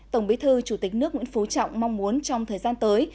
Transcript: tổng bí thư chủ tịch nước nguyễn phú trọng mong muốn trong thời gian tới